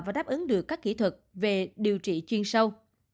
và đáp ứng được các kỹ thuật về điều trị chuyên sâu